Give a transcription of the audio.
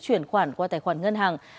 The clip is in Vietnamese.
chuyển khoản qua tài khoản ngân hàng